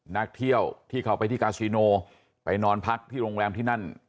นักเที่ยวที่เขาไปที่กาซิโนไปนอนพักที่โรงแรมที่นั่น